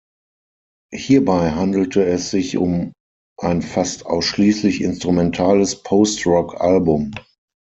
Hierbei handelte es sich um ein fast ausschließlich instrumentales Post-Rock-Album.